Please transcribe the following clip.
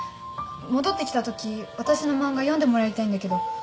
戻ってきたとき私の漫画読んでもらいたいんだけど。